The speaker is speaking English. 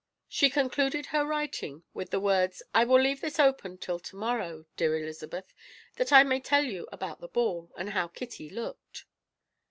She concluded her writing with the words, "I will leave this open till to morrow, dear Elizabeth, that I may tell you about the ball, and how Kitty looked."